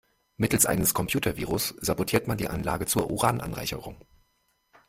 Mittels eines Computervirus sabotierte man die Anlage zur Urananreicherung.